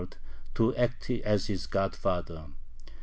to act as his godfather.